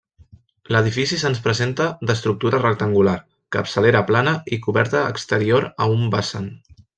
L'edifici se'ns presenta d'estructura rectangular, capçalera plana i coberta exterior a un vessant.